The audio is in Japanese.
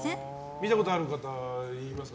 見たことある方いますか？